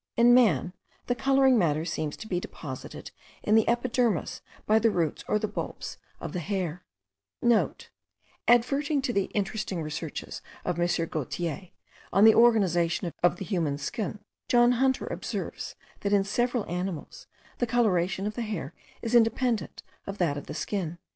In man, the colouring matter seems to be deposited in the epidermis by the roots or the bulbs of the hair:* (* Adverting to the interesting researches of M. Gaultier, on the organisation of the human skin, John Hunter observes, that in several animals the colorating of the hair is independent of that of the skin.)